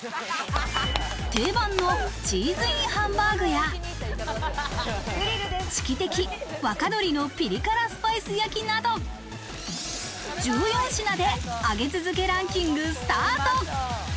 定番のチーズＩＮハンバーグや、チキテキ若鶏のピリ辛スパイス焼きなど１４品で、上げ続けランキングスタート。